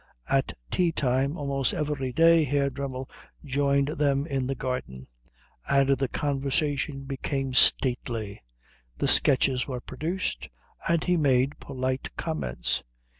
At tea time almost every day Herr Dremmel joined them in the garden, and the conversation became stately. The sketches were produced, and he made polite comments.